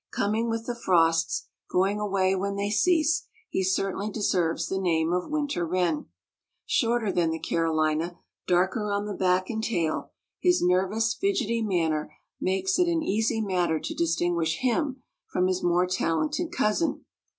Coming with the frosts, going away when they cease, he certainly deserves the name of winter wren. Shorter than the Carolina, darker on the back and tail, his nervous, fidgety manner makes it an easy matter to distinguish him from his more talented cousin.